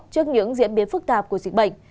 trước những diễn biến phức tạp của dịch bệnh